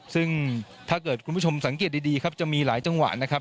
ซึ่งถ้าเกิดคุณผู้ชมสังเกตดีจะมีหลายจังหวะ